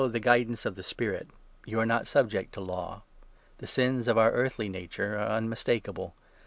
the guidance of the Spirit, you are not subject to Law. The 19 sins of our earthly nature are unmistakeable.